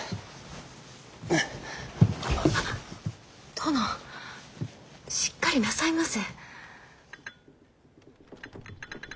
殿しっかりなさいませ。